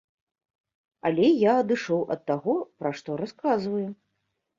Але я адышоў ад таго, пра што расказваю.